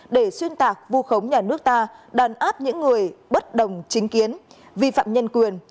để xuyên tạc vu khống nhà nước ta đàn áp những người bất đồng chính kiến vi phạm nhân quyền